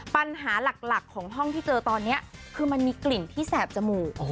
ปัญหาหลักของห้องที่เจอตอนนี้คือมันมีกลิ่นที่แสบจมูก